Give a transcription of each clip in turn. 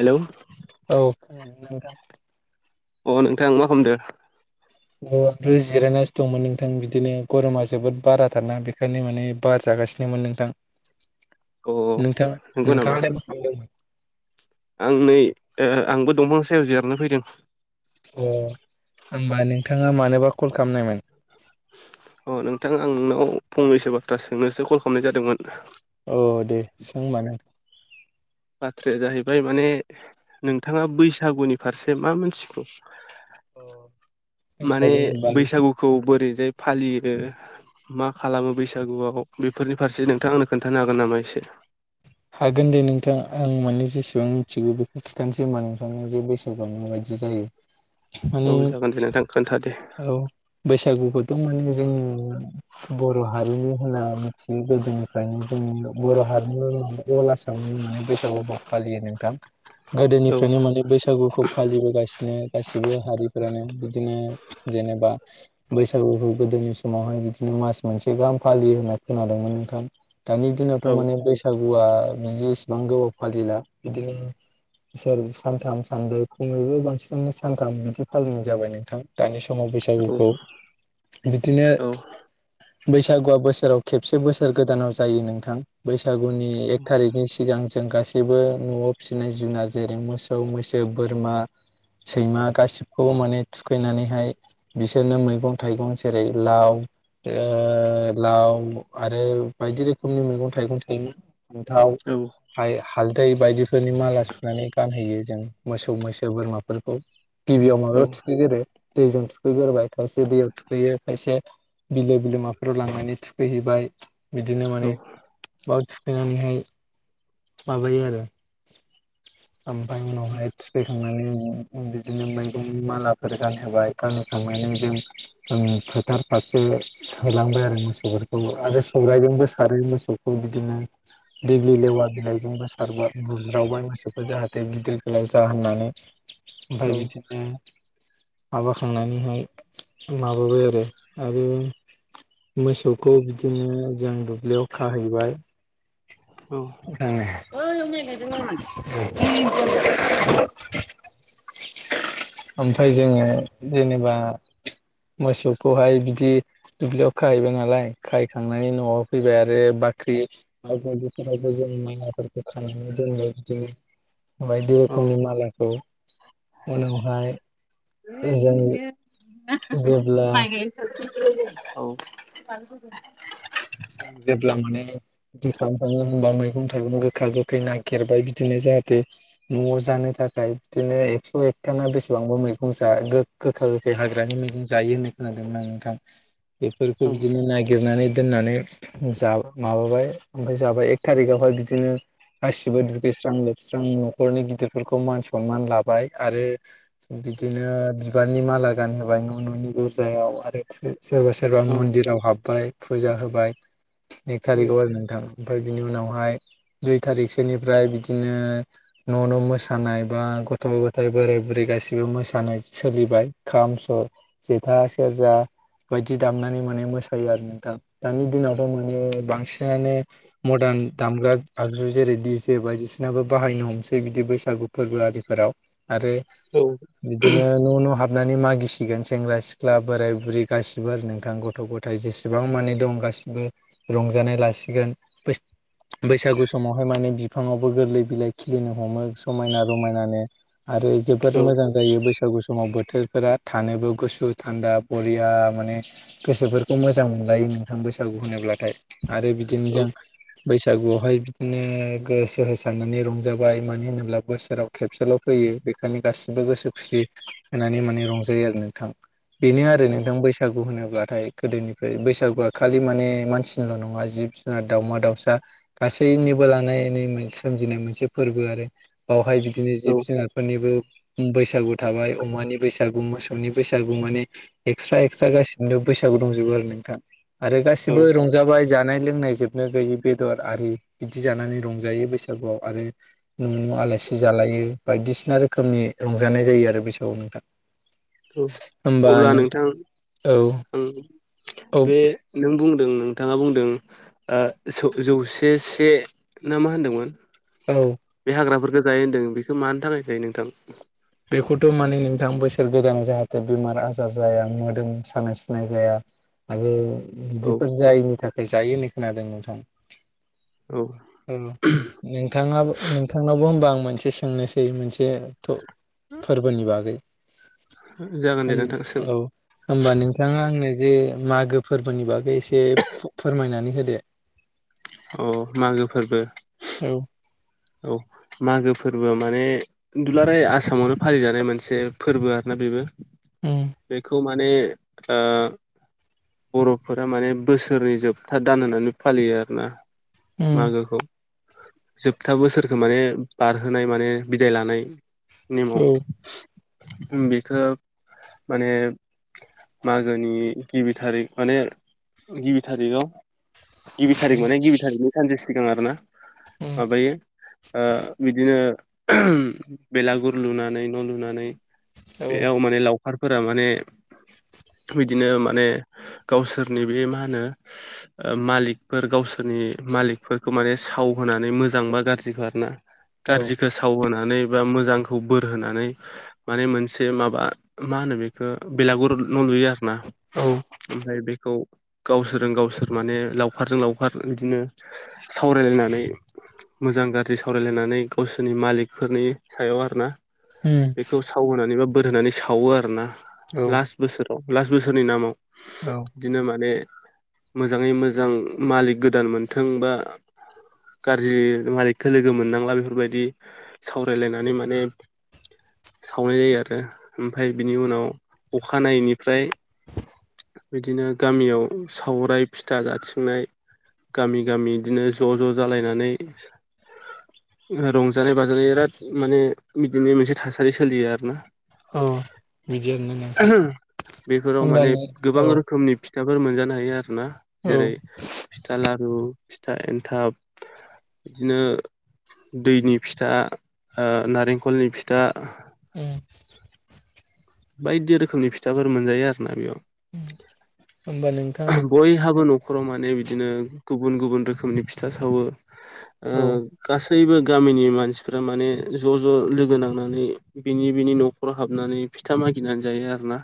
Hello. औ खोनादोंना नोंथां? अ नोंथां मा खालामदो? अ आंथ' जिरायनासो दंमोन नोंथां बिदिनो गरमा जोबोद बाराथारना बे खायनो माने बार जागासिनोमोन नोंथां। अ नोंथां नोंगौ नामा? नोंथाङालाय मा खालामदोंमोन आं नै ओ आंबो दंफां सायाव जिरनो फैदों। अ होमबा नोंथाङा मानोबा कल खालामनायमोन? अ नोंथां आं नोंनाव फंनैसो बाथ्रा सोंनोसो कल खालामनाय जादोंमोन। अ दे सों होनबानो। बाथ्राया जाहैबाय माने नोंथाङा बैसागुनि फारसे मा मिथिगौ? माने बैसागुखौ बोरैजाय फालियो? मा खालामो बैसागुआव बेफोरनि फारसे नोंथां आंनो खोन्थानो हागोन नामा एसे? हागोन दे नोंथां आं माने जेसेबां मिथिगौ बेखौ खिन्थानोसै होमबा नोंथांनो जे [unintelligible] बायदि जायो। औ माने जागोन दे नोंथां खोन्था दे। औ बैसागुखौथ' माने जोङो बर' हारिनि होनना मिथियो गोदोनिफ्रायनो जोंनि बर' हार [unintelligible] अल आसामनि माने बैसागुबो फालियो नोंथां औ गोदोनिफ्रायनो माने बैसागुखौ फालिबोगासिनो गासिबो हारिफोरानो बिदिनो जेनेबा बैसागुखौ गोदोनि समावहाय बिदिनो मास मोनसे गाहाम फालियो होनना खोनादोंमोन नोंथां। दानि दिनावथ' औ माने बैसागुआ बिदि इसेबां गोबाव फालिला बिदिनो इसोर सानथाम सानब्रै खमैबो बांसिनानो सानथाम बिदि फालिनाय जाबाय नोंथां। दानि समाव बैसागुखौ बिदिनो औ बैसागुआ बोसोराव खेबसे बोसोर गोदानाव जायो नोंथां बैस सागुनि एक थारिकनि सिगां जों गास बो न'आव फिसिनाय जुनार जेरै मोसौ मैसो बोरमा सैमा गासिबखौबो माने थुखैनानैहाय बिसोरनो मैगं थाइगं जेरै लाव ओ लाव आरो बायदि रोखोमनि मैगं थाइगं थायोमोन फान्थाव औ हाय हालदै बायदिफोरनि माला सुनानै गानहोयो जों मोसौ मैसो बोरमाफोरखौ गिबियाव औ माबायाव थुखैगोरो दैजों थुखैगोरबाय खायसे दैयाव थुखैयो खायसे बिलो बिलोमाफोराव लांनानै थुखैहैबाय बिदिनो माने बाव थुखैनानैहाय माबायो आरो ओमफाय उनावहाय थुखैखां माने बिदिनो मैगंनि मालाफोर गानहोबाय गानहोखांनानै जों ओं फोथार फारसे होलांबाय आरो मोसौफोरखौ आरो सौरायजोंबो सारो मोसौ खौ बिदिनो देग्लि लेवा बिलाइजों बा सारबा बुज्रावबाय मोसौखौ जाहाथे गिदिर गोलाव जा होननानै ओम्फाय बिदिनो माबाखांनानैहाय माबाबाय आरो आरो मोसौखौ बिदिनो औ जों दुब्लियाव खाहैबाय औ [inaudible] [unintelligible] ओम्फाय जोङो जेनेबा मोसौखौहाय बिदि दुब्लियाव खाहैबाय नालाय खाहैखांनानै न'आव फैबाय आ रो बाख्रि [unintelligible] बायदिफोरावबो जों माइमाफोरखौ खानानै दोनबाय बिदिनो बायदि रोखोमनि मालाखौ उनावहाय [inaudible] जों जेब्ला [unintelligible] औ जों जेब्ला माने दि खालाम खाङो होमबा मैगं थाइगं गोखा गोखै नागिरबाय बिदिनो जाहाथे न'आव जानो थाखाय बिदिनो एकस' एकथा बेसेबांबा मैगं जा गो गोखा गोखै हाग्रानि मैगं जायो होननाय खोनादोंमोन आं नोंथां [inaudible] बेफोरखौ बिदिनो नागिरनानै दोननानै उम जा माबाबाय ओम्फाय जाबाय एक थारिखावहाय बिदिनो गासिबो दुगैस्रां लोबस्रां न'खरनि गिदिरफोरखौ मान सनमान लाबाय आरो बिदिनो बिबारनि माला गानहोबाय न' न'नि दरजायाव आरो [unintelligible] सोरबा सोरबा औ मन्दिराव हाबबाय फुजा होबाय एक औ थारिकाव आरो नोंथां ओमफाय बिनि उनावहाय दुइ थारिखसोनिफ्राय बिदिनो न' न' मोसानाय बा गथ' गथाइ बोराय बुरै गासिबो मोसानाय सोलिबाय खाम सर जेथा सेरजा बायदि दामनानै माने मोसायो आरो नोंथा दानि दिनाव [unintelligible] मोने बांसिनानो मदार्न दामग्रा आगजु जेरै दि जे बायदिसिनाबो बाहायनो हमसै बिदि बैसागु फोरबो आरिफोराव आरो औ बिदिनो न' न' हाब हाबनानै मागिसिगोन सेंग्रा सिख्ला बोराय बुरै गासिबो आरो नोंथां गथ' गथाय जेसेबां मानि दं गासिबो रंजानाय लासिगोन। बैसागु समावहाय माने बिफाङावबो गोरलै बिलाइ खिलिनो हमो समायना रमायनानो आरो जोबोर मोजां जायो बैसागु समाव बोथोर फोरा थानोबो गुसु थान्दा बरिया माने गोसोफोरखौ मोजां मोनलायो नोंथां बैसागु होनोब्लाथाय आरो बिदिनो औ जों बैसागुआवहाय बिदिनो गोसो होसारनानै रंजाबाय मानो होनोब्ला बोसोराव खेबसेल' फैयो बेखायनो गासिबो गोसो खुसि होनानै माने रंजायो आरो नोंथां बेनो आरो नोंथां बैसागु होनोब्लाथाय गोदोनिफ्राय बैसागुआ खालि माने मानसिनिल' नङा जिब जुनार दाउमा दाउसा गासैनिबो लानायनि सोमजिनाय मोनसे फोरबो आरो बावहाय बिदिनो औ जिब जुनारफोरनिबो बैसागु थाबाय अमानि बैसागु मोसौनि बैसागु माने एक्सट्रा एक्सट्रा गासिबोबो बैसागु दंजोबो आरो नोंथां आरो औ गासिबो रंज जाबाय जानाय लोंनाय जोबनो गैयै बेदर आरि बिदि जानानै रंजायो बैसागुआव आरो न' न' आलासि जालायो बायदिसिना रोखोमनि रंजानाय जायो आरो बै समाव नोंथां औ अब्ला नोंथां औ आं औ बे नों बुंदों नोंथाङा बुंदों ओ जौसे से ना मा होनदोंमोन औ। बे हाग्राफोरखौ जायो होन्दों बेखौ मानो थाखाय थायो नोंथां। बेखौथ' माने नोंथां बोसोर गोदानाव जाहाथे बेमार आजार जाया मोदोम सानाय सुनाय जाया आरो औ बिदिफोर जायैनि थाखाय जायो होनो खोनादों नोंथां। औ। औ नोंथाङाबो नोंथांनावबो होनबा आं मोनसे सोंनोसै मोनसे थ फोरबोनि बागै जागोन दे नोंथां सों औ। होमबा नोंथाङा आंनो जे मागो फोरबोनि बागै एसे फोरमायनानै होदो अ मागो फोरबो औ। औ मागो फोरबो माने दुलाराय आसामावनो फालिजानाय मोनसे फोरबो आरो ना बेबो उम बेखौ मान माने बर'फोरा माने बोसोरनै जोबथा दान होनानै फालियो आरोना उम मागोखौ था बोसोरखौ माने बारहोनाय माने बिदाय लानाय नेमाव औ बेखौ माने मागोनि गिबि थारिख माने गिबि थारिखआव गिबि थारिख माने गिबि थारिखनि सानसे सिगां आरो ना? उम माबायो बिदिनो बेलागुर लुनानै न' लुनानै औ बेयाव माने लाव आफारफोरा माने बिदिनो माने गावसोरनि बे मा होनो ओ मालिकफोर गावसोरनि मालिकफोरखौ माने साव होनोनानै मोजां मोजां बा गाज्रिखौ आरोना औ गाज्रिखौ सावहोनानै बा मोजांखौ बोर होनानै माने मोनसे माबा मा होनो बेखौ बेलागुर न' लुयो आर ना औ ओमफ्राय बेखौ गावसोरजों गावसोर माने लावखारजों लावखार बिदिनो सावरायलायनानै मोजां गाज्रि सावरायलायनानै गावसोरनि मालिकफोरनि सायाव आरोना उम बेखौ थाव होनानै बा बोर होनानै सावो आरोना औ लास्ट बोसोराव लास बोसोरनि नामाव औ। बिदिनो माने मोजाङै मोजां मालिक गोदान मोनथों बा गाज्रि मालिकखौ लोगो मोननांला बेफोरबायदि सावरायलायनानै माने सावनाय जायो आरो ओमफ्राय बिनि उनाव अखानायैनिफ्राय बिदिनो गामियाव सावराय फिथा जाथिंनाय गामि गामि इदिनो ज ज जालायनानै रंजानाय बाजानाय बिराद माने बिदिनो मोनसे थासारि सोलियो आरो ना औ बिदि आरोना नोंथां बेफोराव होमबा माने नों गोबां औ रोखोमनि फिथाफोर मोनजानो हायो आरोना औ जेरै फिथा लारु फिथा एनथाब बिदिनो दैनि फिथा ओ नारेंखलनि फिथा उम बायदि रोखोमनि फिथाफोर मोनजायो आरो ना बेयाव होमबा नोंथां बयहाबो नख नखराव माने बिदिनो गुबुन गुबुन रोखोमनि फिथा सावो ओ औ गासैबो गामिनि मानसिफ्रा बिनि बिनि नखराव हाबनानै फिथा मागिनानै जायो आरो ना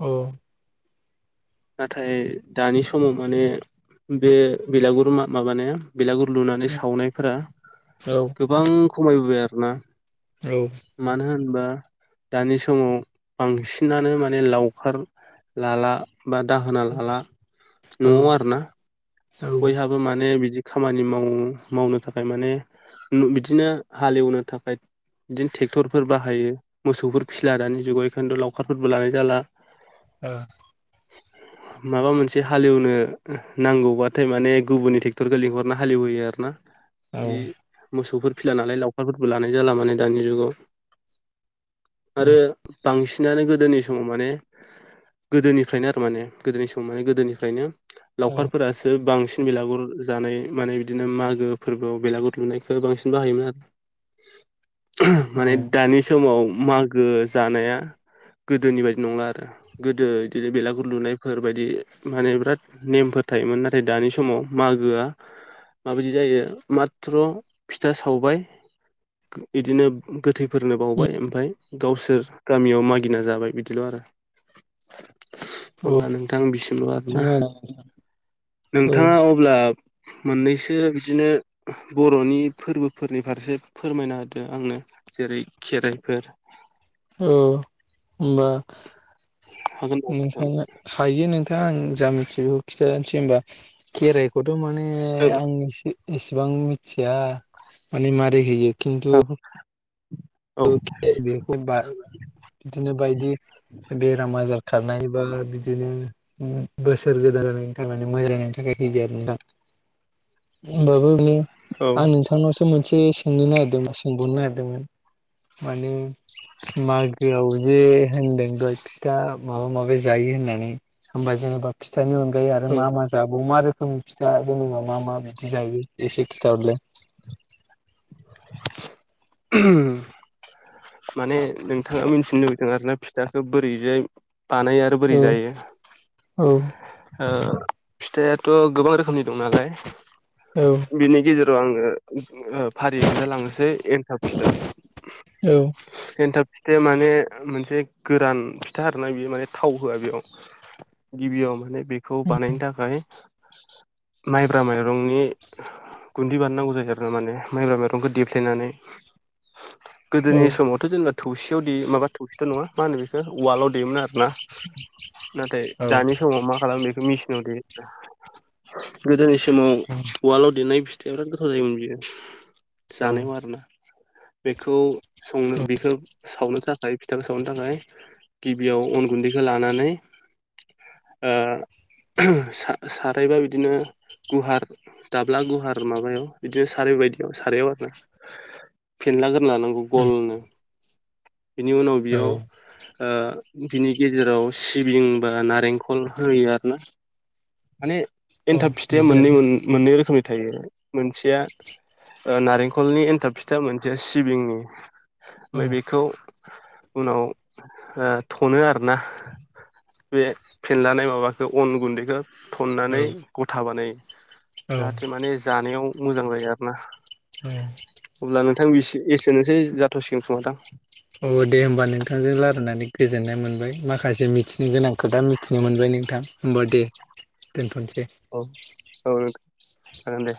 औ नाथाय दानि समाव माने बे बेलागुर मा माबानाया बेलागुर लुनानै उम सावनायफोरा औ गोबां खमायबोबाय आरोना औ मानो होनबा दानि समाव बांसिनानो माने लावखार लाला बा दाहोना लाला औ नआव आरोना बयहाबो माने बिदि खामानि माव मावनो थाखाय माने हुम बिदिनो हालेवनो थाखाय बिदिनो थेकतरफोर बाहायो मोसौफोर फिसिला दानि जुगाव इखायनोथ लावखारफोरबो लानाय जाला औ माबा मोनसे हालेवनो नांगौबा नाथाय माने गुबुननि थेकतरखो‌ लिंहरना हालेवहोयो आरो ना बिदि मोसौफोर फिला नालाय लावखारफोरबो लानाय जाला माने दानि जुगाव आरो बांसिनानो गोदोनि समाव माने गोदोनिफ्रायनो आरो माने गोदोनि समाव माने गोदोनिफ्रायनो लावखारफोरा बांसिन बेलागुर जानाय माने बिदिनो मागो फोरबोआव बेलागुर लुनायखौ बांसिन बाहायोमोन आरो माने दानि समाव मागो जानाया गोदोनि बायदि नंला आरो गोदो इदिनो बेलागुर लुनायफोर बायदि माने बिराद नेमफोर थायोमोन ना नाथाय दानि समाव मागोआ माबायदि जायो माथ्र फिथा सावबाय इदिनो गोथैफोरनो बावबाय ओमफाय गावसोर गामियाव मागिना जाबाय बिदिल‌ आरो अब्ला नोंथां बिसिमल आरोना [unintelligible] औ नोंथाङा अब्ला मोननैसो बिदिनो बरनि फोरबोफोरनि फारसे फोरमायना होदो आंनो जेरै खेराइफोर औ होमबा हागोन औ नोंथांनो हायो नोंथां आं जा मिथियो बेखौ खिथानोसै होनबा खेराइ खौथ माने आं एसे एसेबां मिथिया माने मारै होयो खिन्थु [unintelligible] बेखौ बाय बिदिनो बायदि बेराम आजार खारनाय बा बिदिनो जोङो बोसोर गोदान जानायनि थाखाय नो मोजांनि थाखाय होयो आरो नोंथां। होमबाबो माने औ आं नोंथांनावसो मोनसे सोंनो नागिरदों सोंबावनो नागिरदोंमोन। माने मागोयाव ज जे होनदों दय फिथा माबा माबि जायो होननानै होमबा जेनेबा फिथाइनि अनगायै आरो मा मा ज दा बाव मा रोखोमनि फिथा जोनेबा मा मा बिदि जायो एसे खिथाहरलाय। [inaudible] माने नोंथाङा मिथिनो लुबैदों आरोना फिथाखौ बोरैजाय बानायो बोरै औ जायो औ ओ फिथायाथ' गोबां रोखोमनि दं नालाय औ बेनि गेजेर राव आङो ओ फारि खोन्थालांनोसै एन्थाब फिथा औ एन्थाब फिथाया माने मोनसे गोरान फिथा आरोना बेयो माने थाव होआ बेयाव। गिबियाव माने बेखौ बानायनो थाखाय माइब्रा माइरंनि गुन्दि बानायनांगौ जायो आरोना माने माइब्रा माइ रंखौ देफ्लेनानै गोदोनि समाव थ' जेनेबा थौसियाव दैयो माबा थौसिथ' नङा मा होनो बेखौ उवालाव दैयोमोन आरोना। नाथाय औ दानि समाव मा खालामो बेखौ मिसिनाव दे गोदोनि सोमाव उवालाव देनाय फिथाया बिराद गोथाव जायोमोन बियो। औ जानायाव आरोना। बेखौ संनो बेखौ सावनो थाखाय फिथाखौ सावनो थाखाय गिबियाव अन गुन्दैखो लानानै ओ सा-सारायबा बिदिनो गुहार दाब्ला गुवार माबायाव बिदिनो सारै बायदियाव सारायाव ओ फेनला ग्रोना लानांगौ उम गलनो। बिनि उनाव औ बियाव ओ बिनि गेजेराव सिबिं बा नारेंखल होयो आरोना। माने औ एन्थाब फिथाया बिदि मोननै आरो मोननै रोखोमनि थायो मोनसेया ओ नारेंखलनि एन्थाब फिथा मोनसे सिबिंनि। औ ओमफाय बेखौ उनाव ओ थनो आरोना। बे फेनलानाय माबाखो अन गुन्दैखो। थननानै औ गथा बानायो। जाहाथे औ माने जानायाव मोजां जायो आर ना औ अब्ला नोंथां एसे एसेनोसै जाथ'सिगोन खोमा दां। अ दे होमबा नोंथांजों रालायनानै गोजोननाय मोनबाय माखासे मिथिनो गोनां खोथा मिथिनो मोनबाय नोंथां। होमबा दे [inaudible] दोनथ'नोसै। औ औ लोगो जागोन दे।